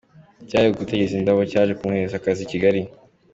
Icyari ugutera indabo cyaje kumuhesha akazi i Kigali.